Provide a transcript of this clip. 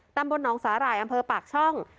ตำบลหนองสาหร่ายอำเภอปากช่อง